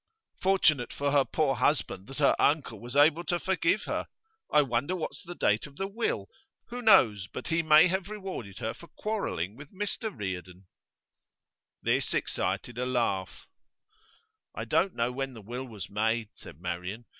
'Fortunate for her poor husband that her uncle was able to forgive her. I wonder what's the date of the will? Who knows but he may have rewarded her for quarrelling with Mr Reardon.' This excited a laugh. 'I don't know when the will was made,' said Marian.